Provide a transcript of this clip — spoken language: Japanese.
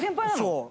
そう。